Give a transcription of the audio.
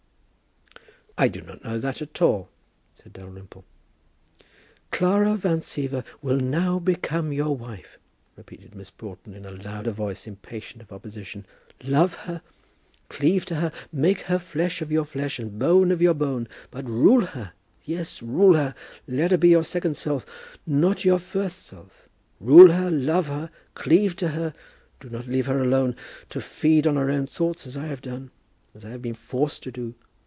"I do not know that at all," said Dalrymple. "Clara Van Siever will now become your wife," repeated Mrs. Broughton in a louder voice, impatient of opposition. "Love her. Cleave to her. Make her flesh of your flesh and bone of your bone. But rule her! Yes, rule her! Let her be your second self, but not your first self. Rule her. Love her. Cleave to her. Do not leave her alone, to feed on her own thoughts as I have done, as I have been forced to do.